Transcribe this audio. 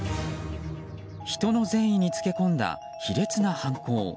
人の善意につけ込んだ卑劣な犯行。